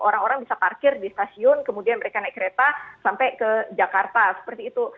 orang orang bisa parkir di stasiun kemudian mereka naik kereta sampai ke jakarta seperti itu